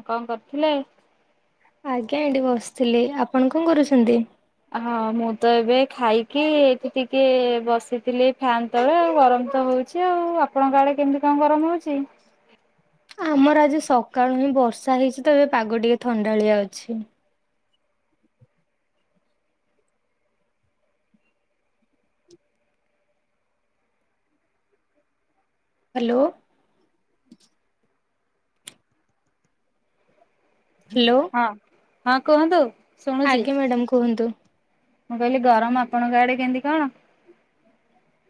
ଆଉ କଣ କରୁଥିଲେ। ଆଜ୍ଞା ଏଇଠି ବସିଥିଲି ଆପଣ କଣ କରୁଛନ୍ତି। ହଁ ମୁଁ ତ ଏବେ ଖାଇକି ଏଠି ଟିକେ ବସିଥିଲି ଫ୍ୟାନ। ସେତେବେଳେ ଆଉ ଗରମ ତ ହେଉଛି ଆଉ ଆପଣଙ୍କ ଆଡ଼େ କେମିତି କଣ ଗରମ ହେଉଛି। ଆମର ଆଜି ସକାଳୁ ହିଁ ବର୍ଷା ହେଇଛି ତ ଏବେ ପାଗ ଟିକେ ଥଣ୍ଡାଳିଆ ଅଛି। ହ୍ୟାଲୋ। ହ୍ୟାଲୋ ହଁ ହଁ କୁହନ୍ତୁ। ଶୁଣୁଛି ଆଜ୍ଞା ମ୍ୟାଡ଼ାାମ କୁହନ୍ତୁ। ମୁଁ କହିଲି ଗରମ ଆପଣଙ୍କ ଆଡେ କେମିତି କଣ?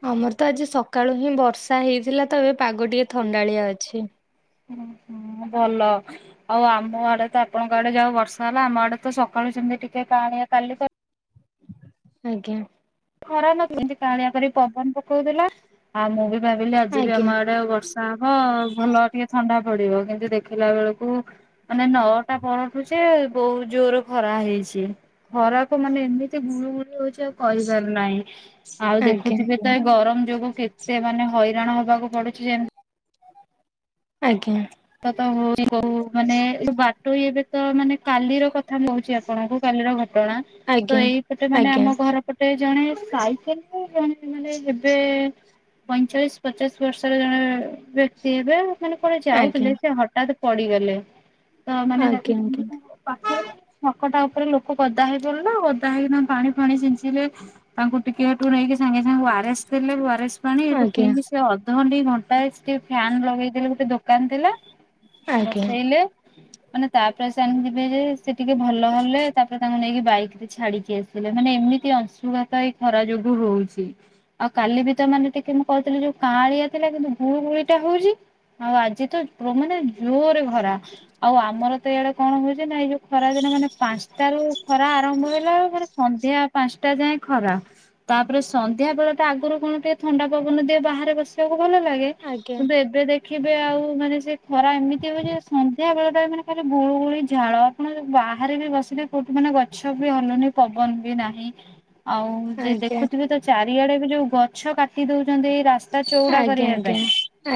ଆମର ତ ଆଜି ସକାଳୁ ହିଁ ବର୍ଷା ହେଇଥିଲା ତ ଏବେ ପାଗ ଟିକେ ଥଣ୍ଡାଳିଆ ଅଛି। ହଁ ହୁଁ ଭଲ। ଆଉ ଆମ ଆଡେ ତ ଆପଣଙ୍କ ଆଡେ ଯାହାହଉ ବର୍ଷା ହେଲା ଆମ ଆଡେ ତ ସକାଳୁ ସେମିତି ଟିକେ ପାଣିଆ କାଲି ତ ଆଜ୍ଞା। ଖରା ନ ଏମତି କାଳିଆ ପ ପବନ ପକଉଥିଲା ଆଉ ମୁଁ ବି ଭାବିଲି ଆଜି ବି ଆଜ୍ଞା ଆମ ଆଡେ ବର୍ଷା ତାବ ଭଲ ଟିକେ ଥଣ୍ଡା ପଡିବ କିନ୍ତୁ ଦେଖିଲା ବେଳକୁ ମାନେ ନଅଟା ପରଠୁ ସେ ବହୁତ ଜୋର ଖରା ହେଇଛି ଖରାକୁ ମାନେ ଏମିତି ଗୁଳୁ ଗୁଳିୁ ହଉଛି ଆଉ କହ ନାହିଁ ଆଉ ଆଜ୍ଞା ଦେଖୁଥିବେ ତ ଏ ଗରମ ଯୋଗୁ କେତେ କେତେ ମାନେେ ହଇରାଣ ହବାକୁ ପଡୁଛି ଯେମତି। ଆଜ୍ଞା। ତ ତ ହ କ ମାନେ ବାଟୋଇ ଏବେ ତ ମାନେ କାଲିର କଥା କହୁଛି ଆପଣଙ୍କୁ କାଲିର ଘଟ କାଲିର ଘଟଣା ତ ଆଜ୍ଞା ଏଇପଟେ ମାନେ ଆଜ୍ଞା ଆମ ଘର। ଗୋଟେ ଜଣେ ସାଇକେଲ ଜଣେ ମାନେ ଏବେ ପଇଁଚାଳିଶ ପଚାଶ ବର୍ଷର ଜଣେ ବ୍ୟକ୍ତି ହେବେ ମାନେ କୁ ଆଜ୍ଞା ଥିଲେ ସେ ହଠାତ ପଡିଗଲେ ତ ମାନେ ଦେଖଛନ୍ତି। ପାଖରେ ଛକଟା ଉପରେ ଲୋକ ଗଦା ହେଇଗଲେ ନା ଗଦା ହେଇକିନା ପାଣି ଫାଣି ଛିଞ୍ଚିଲେ। ତାଙ୍କୁ ଟିକେ ଦୂରେଇକି ନେଇକି ସାଙ୍ଗେ ସାଙ୍ଗେ ୱାରସ୍ ଦେଲେସ୍। ପା ଏଠୁ ଆଜ୍ଞା ଅଧଘଣ୍ଟ ଘଣ୍ଟା ଟିକେନ ଫ୍ୟାନ ଲଗେଇଦଲେ ଗୋଟେ ଦୋକାନ ଥିଲା। ଆଜ୍ଞା ଆଜ୍ଞା ବସେଇଲେ ମାନେ ତାପରେ ସେଣି ଯିବେ ଯେ। ସେ ଟିକେ ଭଲ ହେଲେ ତାପରେ ତାଙ୍କୁ ନେଇକି ବାଇକ ରେ ଛାଡିକି ଆସ। ମାନେ ଏମିତି ଅଂଶୁଘାତ ଏଇ ଖରା ଯୋଗୁ ହୋଉଛି। ଆଉ କାଲି ବି ତ ମାନେ ଟିକେ ମୁଁ କହିହୁଥିଲି ଯୋଉ କାଁଳିଆ ଥିଲା କିନ୍ତୁ ଗୁଳୁ ଗୁଳିଟା ହଉଛି ଆଉ ଆଜି ମାନେ ଜୋରେ ଖରା ଆଉ ଆମର ତ ଇଆଡେ କଣ ହଉଛି ନା ଏଇ ଯୋଉ ଖରା ଦିନ ମାନେ ପାଞ୍ଚଟାରୁ ଖରା ଆରମ୍ଭ ହେଲା ଆଉ ମାନେ ସନ୍ଧ୍ୟା ପାଞ୍ଚଟା ଯାଏଁ ଖରା। ତାପରେ ସନ୍ଧ୍ୟା ବେଳ ଟା ଆଗରୁ କଣ ଟିକେ ଥଣ୍ଡା ପବନ ଦିଏ ବାହାରେ ବସିବାକୁ ଭଲ ଲାଗେ। କିନ୍ତୁ ଏବେ ଦେଖିବେ ଆଉ ମାନେ ସେ ଖରା ଏମିତି ହବ ଯେ ସନ୍ଧ୍ୟା ବେଳ [unintelligible] ମାନେ ଖାଲି ଗୁଳୁ ଗୁଳି ଝାଳ, ଆପଣ ବାହାରେ ବି ବସିଲେ କୋଉଠି ମାନେ ଗଛ ବି ହଲୁନି ପବନ ବି ନାହିଁ। ଆଉ ଜେ ଦେଖୁଥିବେ ତ ଚାରିଆଡେ ବି ଯୋଉ ଗଛ କାଟି ଦଉଛନ୍ତି ରାସ୍ତା ଆଜ୍ଞା ଚଉଡା ଆଜ୍ଞା କରିବା ପାଇଁ,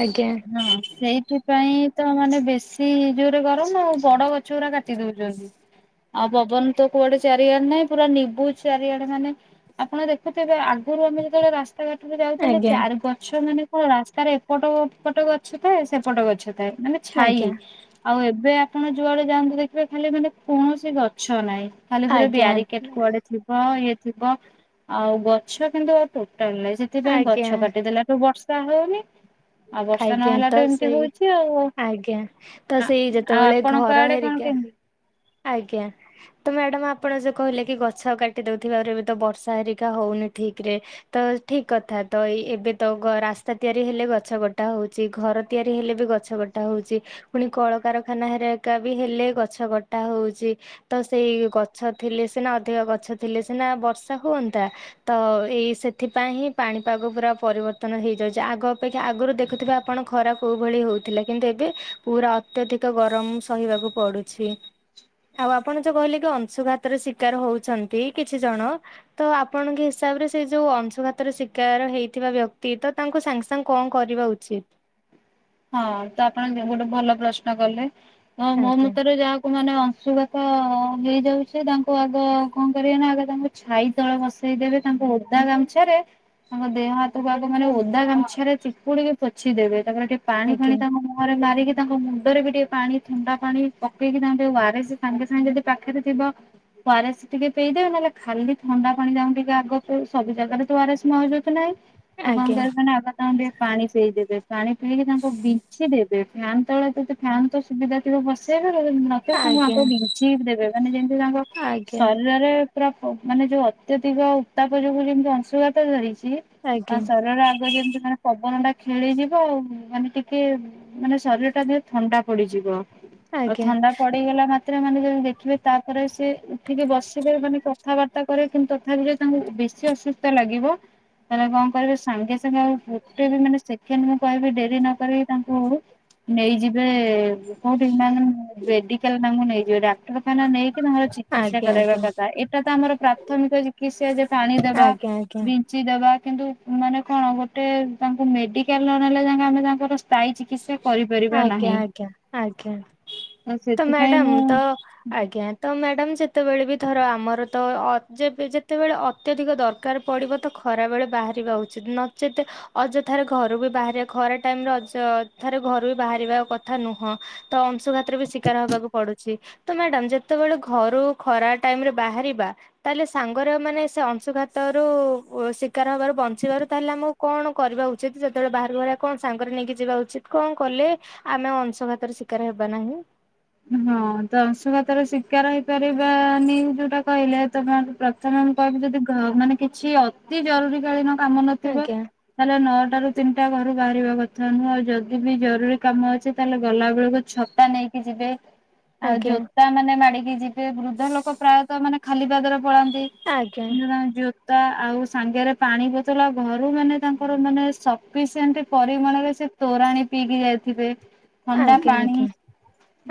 ଆଜ୍ଞା ଆଜ୍ଞା ହଁ ସେଇ ସେଥିପାଇଁ ତ ମାନେ ବେଶୀ ଜୋରେ ଗରମ ଆଉ, ବଡ ଗଛ ଗୁଡା କାଟି ଦଉଛନ୍ତି। ଆଉ ପବନ ତ କୁଆଡେ ଚାରିଆଡେ ନାଇଁ, ପୁରା ନିବୁଜ ଚାରିଆଡେ ମାନେ ଆପଣ ଦେଖୁଥିବେ ଆଗରୁ ଆମେ ଯେତେବେଳେ ରାସ୍ ରାତାଘାଟରେ ଯାଉଥିଲେ ଆଜ୍ଞା ଚାରି ଗଛ ମାନେ କଣ ରାସ୍ତାରେ ଏପଟ ଏପଟ ଗଛ ଥାଏ ସେ ପଟ ଗଛ ଥାଏ, ମାନେ ଛାଇ। ଆଜ୍ଞା ଆଉ ଏବେ ଆପଣ ଯୁଆଡେ ଯାଆନ୍ତୁ ଦେଖିବେ ଖାଲି ମାନେ କୌଣସି ଗଛ ନାହିଁ। ଖାଲି ଆଜ୍ଞା ପୁରା ଆଜ୍ଞା ବ୍ୟାରିକେଡ କୁଆଡେ ଥି ହଁ ଇଏ ଥିବ, ଆଉ ଗଛ କିନ୍ତୁ ଆଉ ଟୋଟାଲ ନାହିଁ। ସେ ସେଥିପାଇଁ ଆଜ୍ଞା ଆଜ୍ଞା ଗଛ କାଟିଦେଲାଠୁ ବର୍ଷା ହଉନି, ଆଉ ବର୍ଷା ଆଜ୍ଞା ତ ନହେଲାଠୁ ଏମ ସେଇ ଆଜ୍ଞା, ତ ଆଉ ସେଇ ଯେତେବେଳେ ଆପଣଙ୍କ ଘର ଆଡେ କଣ ହେରିକା କେମିତି? ଆଜ୍ଞା। ତ ମ୍ୟାଡାମ ଆପଣ ଯୋଉ କହିଲେ କି ଗଛ କାଟି ଦଉଥିବା ରୁ ଏବେ ତ ବର୍ଷା ହେରିକା ହଉନି ଠିକ ରେ ତ ଠିକ୍ କଥା, ତ ଏଇ ଏବେ ତ ରାସ୍ତା ତିଆରି ହେଲେ ଗ ଗଛ କଟା ହେଉଛି। ଘର ତିଆରି ହେଲେ ବି ଗଛ କଟା ହଉଛି। ପୁଣି କଳକାରଖାନା ହେରିଏକା ବି ହେଲେ ଗଛ କଟା ହଉଛି। ତ ସେଇ ଗଛ ଥିଲେ ସିନା, ଅଧିକ ଗଛ ଥିଲେ ସିନା ବର୍ଷା ହୁଅନ୍ତା। ତ ଏଇ ସେଥିପାଇଁ ହିଁ ପାଣିପାଗ ପୁରା ପରିବର୍ତ୍ତନ ହେଇଯାଉଛି। ଆଗ ଅପକ୍ଷା ଆଗରୁ ଦେଖୁଥିବେ ଆପଣ ଖରା କୋଉ ଭଳି ହଉଥିଲା କିନ୍ତୁ ଏବେ ପୁରା ଅତ୍ୟଧିକ ଗରମ ସହିବାକୁ ପଡୁ ଛି। ଆଉ ଆପଣ ଯୋଉ କହିଲେ କି ଅଂଶୁଘାତରେ ଶିକାର ହଉଛନ୍ତି କିଛି ଜଣ। ତ ଆପଣଙ୍କ ହିସାବରେ ସେ ଯୋଉ ଅଂଶଘାତରେ ଶିକାର ହେଇଥିବା ବ୍ୟକ୍ତି ତ ତାଙ୍କୁ ସାଙ୍ଗ ସାଙ୍ଗ କଣ କରିବା ଉଚିତ? ହଁ ତ ଆପଣ ଗୋଟେ ଭଲ ପ୍ରଶ୍ନ କଲେ। ତ ମୋ ଆଜ୍ଞା ମୁତରେ ଯାହା ଲୋକ ମାନେ ଅଂଶୁଘାତ ହେଇଯାଉଛି, ତାଙ୍କୁ ଆଗ କଣ କରିବେ ନା ଆଗ ତାଙ୍କୁ ଛାଇ ତଳ ବସେଇଦେବେ, ତାଙ୍କୁ ଓଦା ଗାମୁଛାରେ ତାଙ୍କ ଦେହ ହାତକୁ ଆଗ ମାନେ ଓଦା ଗାମଛାରେ ଚିପୁଡିକି ପୋଛି ଦେବେ। ତାପରେ ଟିକେ ପାଣି ଆଜ୍ଞା ଫାଣି ତାଙ୍କ ମୁହଁରେ ମାରିକି ତାଙ୍କ ମୁଣ୍ଡରେ ବି ଟିକେ ପାଣି ଥଣ୍ଡା ପାଣି ପକେଇକି, ତାଙ୍କ ଟିକେ ୱାରିସ୍ ସାଙ୍ଗେ ସାଙ୍ଗେ ଯଦି ପାଖରେ ଥିବ ଓରେସ୍ ଟିକେ ପଇଦେବେ ନହେଲେ ଖାଲି ଥଣ୍ଡା ପାଣି ଯାଉ ଟିକେ ଆଗକୁ ସବୁ ଜାଗାରେ ତ ଓରେସ୍ ମହଜୁଦ ନାହିଁ। ତ କଣ ଆଜ୍ଞା କରିବେ ନା ଆଗ ତାଙ୍କୁ ଟିକେ ପାଣି ପେଇ ଦେବେ। ପାଣି ପେଇକି ତାଙ୍କୁ ବିଞ୍ଚି ଦେବେ। ଫ୍ୟାନ୍ ତଳେ ତ ଫ୍ୟାନ ତ ସୁବିଧା ଥିବ ବସେଇବେ [unintelligible] ତାଙ୍କୁ ଆଜ୍ଞା ଆଗ ବିଞ୍ଚି ଦେବେ, ମାନେ ଯେମତି ତାଙ୍କ ଆଜ୍ଞା ଶରୀରରେ [unintelligible] ମାନେ ଯୋଉ ଅତ୍ୟଧିକ ଉତ୍ତାପ ଯୋଗୁ ଯେମିତି ଅଂଶୁଘାତ ଧରିଛି ଆ ଆଜ୍ଞା ଶରୀରରେ ଆଗ ଯେମତି ମାନେ ପବନ ଟା ଖେଳିଯିବ ଆଉ। ମାନେ ଟିକେ ମାନେ ଶରୀର ଟା ଟିକେ ଥଣ୍ଡା ପଡ଼ିଯିବ। ଆଉ ଆଜ୍ଞା। ଥଣ୍ଡା ପଡ଼ି ହେଇଗଲା ମାତ୍ରେ ମାନେ ଯଦି ଦେଖିବେ ତାପରେ ସେ ଉଠିକି ବସିବେ ମାନେ କଥାବାର କରେ, କିନ୍ତୁ ତଥାପି ଯଦି ତାଙ୍କୁ ବେଶୀ ଅସୁସ୍ଥ ଲାଗିବ, ତାହେଲେ କଣ କରିବେ ସାଙ୍ଗେ [unintelligible] ଗୋଟେ ବି ମାନେ ସେକେଣ୍ଡ ମୁଁ କହିବି ଡେରି ନ କରି ତାଙ୍କୁ ନେଇଯିବେ କୋଉଠି [unintelligible] ମେଡିକାଲ ତାଙ୍କୁ ନେଇଯିବେ। ଡାକ୍ତରଖାନା ନେଇକି ତାଙ୍କର ଚିକି ଚିକିତ୍ସା ଆଜ୍ଞା ଆଜ୍ଞା କରାଇବା କଥା। ଏଇଟା ତ ଆମର ପ୍ରାଥମିକ ଚିକିତ୍ସା ଯେ ପାଣି ଦେବା ଆଜ୍ଞା ଆଜ୍ଞା। କିଛି ଦେବା କିନ୍ତୁ ମାନେ କଣ ଗୋଟେ ତାଙ୍କୁ ମେଡିକାଲ ନ ନେଲା ଯାକେ ଆମେ ତାଙ୍କର ସ୍ଥାୟୀ ଚିକିତ୍ସା କରିପାରିବା ଆଜ୍ଞା ନାହିଁ। ଆଜ୍ଞା ଆଜ୍ଞା। ତ ସେଥିପାଇଁ ମ୍ୟାଡାମ ମୁଁ ତ ଆଜ୍ଞା ତ ମ୍ୟାଡ଼ାମ ଯେତେବେଳେ ବି ଧର ଆମର ତ ଅ ଯେବେ ଯେତେବେଳେ ଅତ୍ୟଧିକ ଦର ଦରକାର ପଡ଼ିବ ତ ଖରାବେେଳେ ବାହାରିବା ଉଚିତ୍ ନଚେତ ଅଯଥାରେ ଘରୁ ବି ବାହାରିବା ଖରା ଟାଇମରେ ଅଯଥାରେ ଘରୁ ବି ବାହାରିବା କଥା ନୁହଁ। ତ ଅଂଶୁ ଘାତରେ ବି ଶିକାର ହବାକୁ ପଡୁଛି। ତ ମ୍ୟାଡାମ ଯେତେବେଳେ ଘରୁ ଖରା ଟାଇମରେ ବାହାରିବା ତାହେଲେ ସାଙ୍ଗରେ ମାନେ ସେ ଅଂଶୁଘାତ ରୁ ଶିକାର ହବାରୁ ବଞ୍ଚିବାରୁ ତାହେଲେ ଆମକୁ କଣ କରିବା ଉଚିତ୍ ଯେତେବେଳେ ବାହାରକୁ ବାହାରିବା କଣ ସାଙ୍ଗରେ ନେଇକି ଯିବା ଉଚିତ। କଣ କଲେ ଆମେ ଅଂଶଘାତରୁ ଶିକାର ହେବା ନାହିଁ। ହଁ ତ ଅଂଶୁଘାତ ରେ ଶିକାର ହେଇପାରିବାନି ଯୋଉଟା କହିଲେ ତମେ ମାନେ ତମେ ମୁଁ କହିବି ଯଦି କିଛି ମାନେ କିଛି ଅତି ଜରୁରୀ କାଳୀନ କାମ ନଥିବ ଆଜ୍ଞା। ତାହେଲେ ନଅଟା ରୁ ତିନିଟା ଘରୁ ବାହାରିବା କଥା ନୁହଁ ଆଉ ଯଦି ବି ଜରୁରୀ କାମ ଅଛି ତାହେଲେ ଗଲା ବେଳକୁ ଛ ତା ନେଇକି ଯିବେ। ଆଉ ଆଜ୍ଞା ଜୋତା ମାନେ ମାଡିକି ଯିବେ ବୃଦ୍ଧ ଲୋକ ପ୍ରାୟତଃ ମାନେ ଖାଲି ପାଦରେ ପଳାନ୍ତି। ଆଜ୍ଞା [unintelligible] ଜୋ ତା ଆଉ ସାଙ୍ଗରେ ପାଣି ବୋତଲ ଆଉ ଘରୁ ମାନେ ତାଙ୍କର ମାନେ ସଫିସିଏଣ୍ଟ ପରିମାଣରେ ସେ ତୋରାଣି ପିଇକି ଯାଇଥିବେ ଥଣ୍ଡା ଆଜ୍ଞା ପାଣି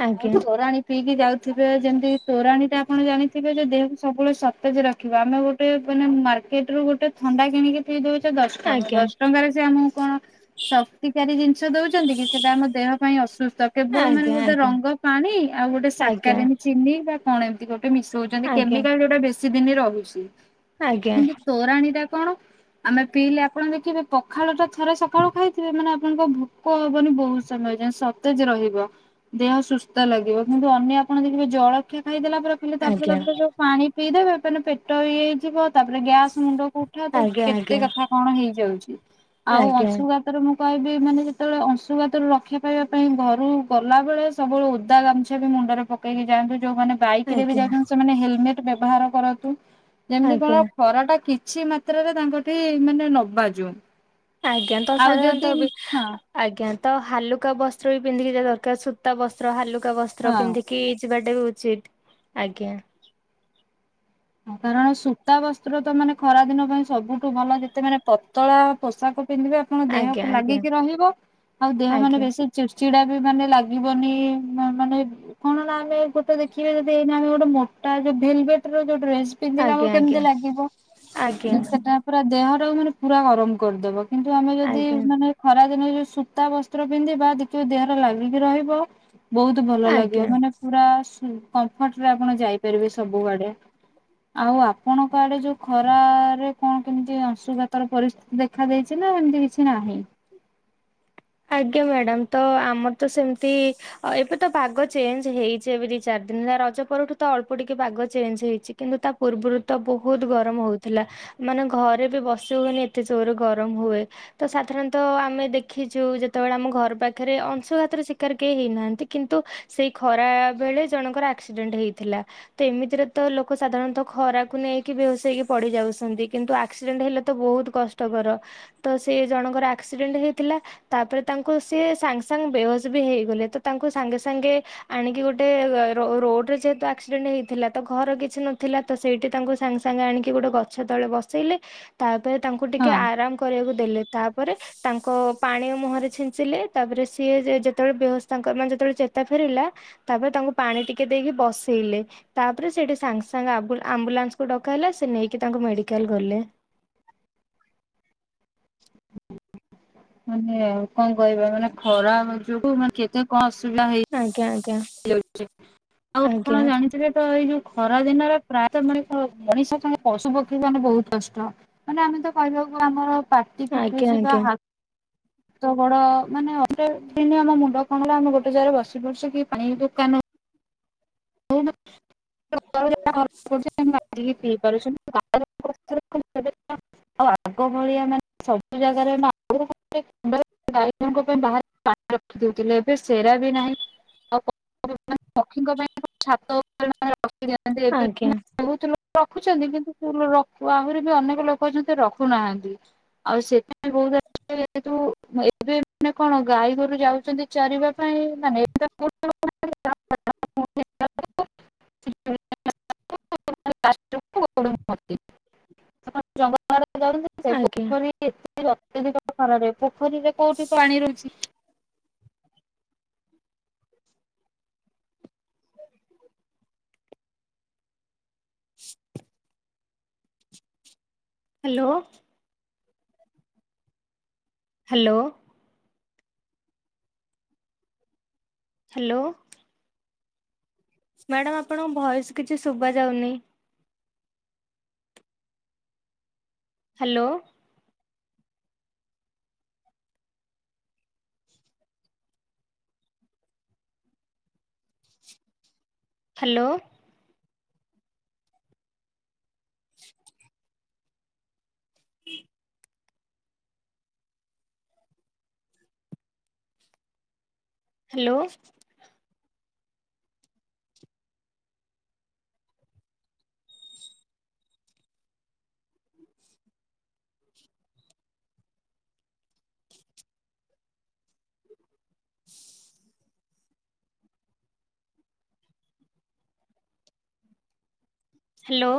ଆଜ୍ଞା ଆଉ ତୋରାଣି ପିଇକି ଯାଉଥିବେ। ଯେମିତି ତୋରାଣି ଟା ଆପଣ ଜାଣିଥିବେ ଯେ ଦେହକୁ ସବୁବେଳେ ସତେଜ ରଖି ଦେଖିବା ଆମେ ଗୋଟେ ମାନେ ମାର୍କେଟ ରୁ ଗୋଟେ ଥଣ୍ଡା କିଣିକି ପିଇ ଦଉ ଛେ ଦଶ ଟଙ୍କା ଆଜ୍ଞା ଦଶ ଟଙ୍କାରେ ସେ ଆମକୁ କଣ ଶକ୍ତିକାରୀ ଜିନିଷ ଦଉଛନ୍ତି କି ସେଇଟା ଆମ ଦେହ ପାଇଁ ଅସୁସ୍ଥ କେବଳ ମାନେ ଆଜ୍ଞା ଗୋଟେ ର ପାଣି ଆଉ ଗୋଟେ ଆଜ୍ଞା ସାକାରିନୀ ଚିନି ବା କଣ ଏମିତି ଗୋଟେ ମିଶଉଛନ୍ତି ଆଜ୍ଞା କେମିକାଲ ଯୋଉଟା ବୀ କିଛି ଦିନ ରହୁଛି ଆଜ୍ଞା ଆଜ୍ଞା କିନ୍ତୁ ତୋର ପାଣି ଟା କଣ ଆମେ ପିଇଲେ ଆପଣ ଦେଖିବେ ପଖାଳ ଟା ଥରେ ସକାଳୁ ଖାଇଥିବେ ମାନେ ଆପଣଙ୍କ ଭୋ କ ହବନି ବହୁତ ସମୟ ଯାଏଁ ସତେଜ ରହିବ ଦେହ ସୁ ସୁସ୍ଥ ଲାଗିବ କିନ୍ତୁ ଅନ୍ୟ ଆପଣ ଦେଖିବେ ଜଳଖିଆ ଖାଇଦେଲା ପରେ କହିଲେ ତାପରେ ଆଜ୍ଞା ତାପରେ ଯୋଉ ପାଣି ପିଇଦେବେ ଏ ପେଟ ଇଏ ହେଇଯିବ ତାପରେ ଗ୍ୟାସ ମୁଣ୍ଡ କୁ ଉଠା ତ ଆଜ୍ଞା ଆଜ୍ଞା କେତେ କଥା କଣ ହେଇଯାଉଛି ଆଉ ଆଜ୍ଞା ଅଂଶୁଘା ତରେ ମୁଁ କହିବି ମାନେ ଯେତେବେଳେ ଅଂଶୁଘାତରୁ ରକ୍ଷା ପାଇବା ପାଇଁ ଘରୁ ଗଲାବେଳେ ସବୁବେଳେ ଓଦା ଗାମୁଛା ବି ମୁଣ୍ଡରେ ପକେଇ ଯାଆନ୍ତୁ ଯୋଉମାନେ ବାଇକରେ ବି ଯାଉଛନ୍ତି ସେମାନେ ହେଲମେଟ ବ୍ୟବହାର କରନ୍ତୁ ଆଜ୍ଞା ଆଜ୍ଞା ଯେମିତି ଆଜ୍ଞା କଣ ଖରା ଟା କିଛି ମାତ୍ରାରେ ତାଙ୍କଠି ମାନେ ନ ବାଜୁ। ଆଜ୍ଞା ତ ଆଉ ଯଦି ସାଧାରଣତଃ ବି ହଁ ଆଜ୍ଞା ତ ହାଲୁକା ବସ୍ତ୍ର ବି ପିନ୍ଧିକି ଯିବା ଦରକାର ସୂତା ବସ୍ତ୍ର ହାଲୁକା ବ। ସ୍ତ୍ର ହଁ ପିନ୍ଧିକି ଯିବାଟା ବି ଉଚିତ ଆଜ୍ଞା। କାରଣ ସୂତା ବସ୍ତ୍ର ତ ମାନେ ଖରା ଦିନ ପାଇଁ ସବୁଠୁ ଭଲ ଯେତେ ମାନେ ପତଳା ପୋଷାକ ପିନ୍ଧିବେ ଆପଣ ଆଜ୍ଞା ଦେହକୁ ଆଜ୍ଞା ଲାଗିକି ରହିବ ଆଉ ଦେହ ମାନେ ଆଜ୍ଞା ବେଶୀ ଚିଡ଼ଚିଡା ବି ମାନେ ଲାଗିବନି ମାନେ କଣ ନା ଆମେ ଗୋଟେ ଦେଖିବେ ଯଦି ଏଇନା ଆମେ ଗୋଟେ ମୋଟା ଯୋଉ ଭେଲଭେଟର ଯୋଉ ଡ୍ରେସ ପିନ୍ଧିଲା ବେଳକୁ କେମିତି ଆଜ୍ଞା ଲାଗିବ ଆଜ୍ଞା ଆଜ୍ଞା ସେଟା ପୁରା ଦେହ ଟାକୁ ମାନେ ପୁରା ଗରମ କରିଦବ କିନ୍ତୁ ଆମେ ଯଦି ଆଜ୍ଞା ମାନେ ଖରା ଦିନ ଯୋଉ ସୂତା ବସ୍ତ୍ର ପିନ୍ଧିବା ଦେଖିବ ଦେହରେ ଲାଗିକି ରହିବ। ବହୁତ ଭଲ ଲାଗିବ ଆଜ୍ଞା ମାନେ ପୁରା କମ୍ଫର୍ଟ ରେ ଆପଣ ଯାଇପାରିବେ ସବୁଆଡେ। ଆଉ ଆପଣଙ୍କ ଆଡେ ଯୋଉ ଖରା ରେ କଣ କେମିତି ଅଂଶୁଘାତର ପରିସ୍ଥିତି ଦେଖାଦେଇଛି ନା ଏମିତି କିଛି ନାହିଁ। ଆଜ୍ଞା ମ୍ୟାଡ଼ାମ୍ ତ ଆମର ତ ସେମ୍ତି ଅ ଏବେ ତ ପାଗ ଚେଞ୍ଜ ହେଇଛି ଏବେ ଦି ଚାରି ଦିନ ରଜ ପରଠୁ ତ ଅଳ୍ପ ଟିକେ ପାଗ ଚେଞ୍ଜ ହେଇଛି। କିନ୍ତୁ ତା ପୂର୍ବରୁ ତ ବୋହୁତ୍ ଗରମ୍ ହଉଥିଲା। ମାନେ ଘରେ ବି ବସି ହୁଏନି ଏତେ ଜୋର ଗରମ ହୁଏ ତ ସାଧାରଣତଃ ଆମେ ଦେଖି ଯୋଉ ଯେତେବେଳେ ଆମ ଘର ପାଖରେ ଅଂଶୁଘାତର ଶିକାର କେହି ହେଇନାହାନ୍ତି କିନ୍ତୁ ସେଇ ଖରାବେଳେ ଜଣଙ୍କର ଆକ୍ସିଡେଣ୍ଟ ହେଇଥିଲା। ତ ଏମିତିରେ ତ ଲୋକ ସାଧାରଣତଃ ଖରାକୁ ନେଇକି ବେହୋସ୍ ହେଇ ପଡି ଯାଉଛନ୍ତି କିନ୍ତୁ ଆକ୍ସିଡେଣ୍ଟ ହେଲେ ତ ବୋହୁତ୍ କଷ୍ଟକର ତ ସେ ଜଣଙ୍କର ଆକ୍ସିଡେଣ୍ଟ ହେଇଥିଲା। ତାପ୍ରେ ତାଙ୍କୁ ସିଏ ସାଙ୍ଗ ସାଙ୍ଗେ ବେହୋସ ବି ହେଇଗଲେ ତ ତାଙ୍କୁ ସାଙ୍ଗେ ସାଙ୍ଗେ ତା ଆଣିକି ଗୋଟେ ରୋ ରୋଡ୍ରେ ଯେହେତୁ ଆକ୍ସିଡେଣ୍ଟ ହେଇଥିଲା ତ ଘର କିଛି ନଥିଲା ତ ସେଇଠି ତାଙ୍କୁ ସାଙ୍ଗେ ସାଙ୍ଗେ ଆଣିକି ଗୋଟେ ଗଛ ତଳେ ବସେଇଲେ। ତାପ୍ରେ ତାଙ୍କୁ ଟିକେ ହଁ ଆରାମ୍ କରିବାକୁ ଦେଲେ ତାପରେ ତାଙ୍କ ପାଣି ମୁହଁରେ ଛିଞ୍ଚିଲେ ତାପରେ ସିଏ ଯେ ଯେତେବେଳେ ବେହସ ତାଙ୍କର ମାନ୍ ଯେତେବେଳେ ଚେତା ଫେରିଲା ତାପରେ ତାଙ୍କୁ ପାଣି ଟିକେ ଦେଇକି ବସେଇଲେ। ତାପ୍ରେ ସେଠି ସାଙ୍ଗେ ସାଙ୍ଗେ ଆବୁ ଆମ୍ବୁଲାନ୍ସକୁ ଡକା ହେଲା ସେ ନେଇକି ତାଙ୍କୁ ମେଡିକାଲ ଗଲେ। ମାନେ ଆଉ କଣ କହିବା ମାନେ ଖରା ଯୋଗୁ ମାନେ କେତେ କଣ ଅସୁବିଧା ହେଇ ଆଜ୍ଞା ଆଜ୍ଞା। ହେଇଯାଉଛି ଆଉ ଆପଣ ଆଜ୍ଞା ଜାଣିଥିବେ ତ ଏଇ ଯୋଉ ଖରା ଦିନରେ ପ୍ରାୟତଃ ମ ମଣିଷ ପଶୁ ପକ୍ଷୀ ମାନେ ବହୁତ୍ କଷ୍ଟ। ମାନେ ଆମେ ତ କହିବାକୁ ଆମର ପାଟି ଆଜ୍ଞା ଫିଟୁଛି ବା ଆଜ୍ଞା ହା ହାତ ଗୋଡ଼ ମାନେ ଗୋଟେ ଦିନ ଆମ ମୁଣ୍ଡ କଣ ହେଲା ଆମେ ଗୋଟେ ଜାଗାରେ ବସି ପଡୁଛେ କି ପାଣି ଦୋକାନ [unintelligible] [unintelligible] ଆଉ ଆଗ ଭଳିଆ ମାନେ ସବୁ ଜାଗାରେ [unintelligible] ଗାଈ ଜଣଙ୍କ ପାଇଁ ବାହାରେ ପାଣି ରଖିଦଉଥିଲେ ଏବେ ସେରା ବି ନାହିଁ ଆଉ ମାନେ ପକ୍ଷୀଙ୍କ ପାଇଁ ଛାତ ଉପରେ ମାନେ ରଖିଦିଅନ୍ତି ଏବେ ଆଜ୍ଞା ବହୁତ ଲୋକ ରଖୁଛନ୍ତି କିନ୍ତୁ ସେ ରଖ ଆହୁରି ବି ଅନେକ ଲୋକ ଅଛନ୍ତି ରଖୁନାହାନ୍ତି। ଆଉ ସେଥିପାଇଁ ବହୁ ଯେହେତୁ ଏବେ ମାନେ କଣ ଗାଈ ଗୋରୁ ଯାଉଛନ୍ତି। ଚରିବା ପାଇଁ ମାନେ [inaudible] [unintelligible] [unintelligible] ଆଜ୍ଞା। ପୋଖରୀ ଏ ଅତ୍ୟଧିକର ଖରାରେ ପୋଖରୀରେ କୋଉଠି ପାଣି ରହୁଛି। [inaudible] ହାଲୋ। ହାଲୋ। ହାଲୋ। ମ୍ୟାଡ଼ାମ୍ ଆପଣଙ୍କ ଭଏସ୍ କିଛି ଶୁଭା ଯାଉନି। ହାଲୋ। ହାଲୋ। ହୁଁ ହାଲୋ। ହେଲୋ।